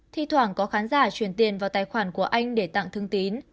thi thoảng có khán giả truyền tiền vào tài khoản của anh để tặng thương tín